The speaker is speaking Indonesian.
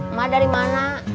emak dari mana